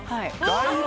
だいぶ。